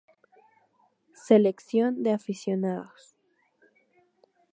Selección de aficionados.